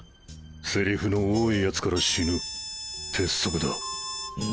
セリフの多いヤツから死ぬ鉄則だ。